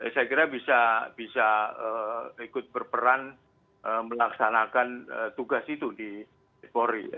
saya kira bisa ikut berperan melaksanakan tugas itu di polri